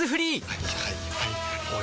はいはいはいはい。